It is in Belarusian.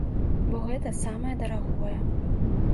Бо гэта самае дарагое.